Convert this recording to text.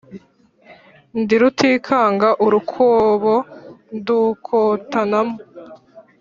Ndi Rutikanga urukubo ndukotanamo